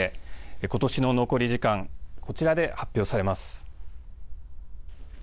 今年の残り時間こちらで発表されます。